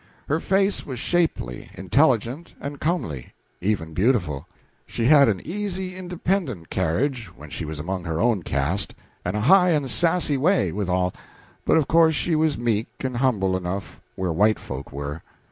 Her face was shapely, intelligent and comely even beautiful. She had an easy, independent carriage when she was among her own caste and a high and "sassy" way, withal; but of course she was meek and humble enough where white people were.